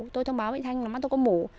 tôi thông báo với chị thanh là mắt tôi có mổ